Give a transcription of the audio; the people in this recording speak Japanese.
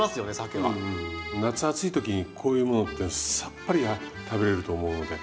夏暑い時にこういうものってさっぱり食べれると思うので。